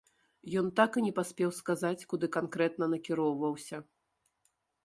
Ён так і не паспеў сказаць, куды канкрэтна накіроўваўся.